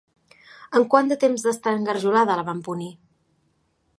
Amb quant de temps d'estar engarjolada la van punir?